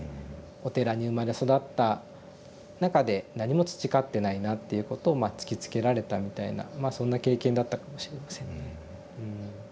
お寺に生まれ育った中で何も培ってないなっていうことをまあ突きつけられたみたいなまあそんな経験だったかもしれませんね。